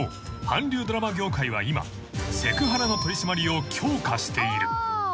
韓流ドラマ業界は今セクハラの取り締まりを強化している］